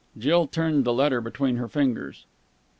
Jill turned the letter between her fingers.